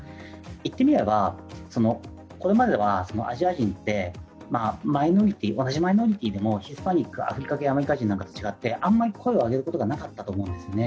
言ってみれば、これまではアジア人って同じマイノリティーでもヒスパニック、アフリカ系アメリカ人などと違ってあんまり声を上げることがなかったと思うんですね。